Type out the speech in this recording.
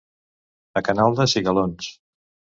A Canalda, cigalons.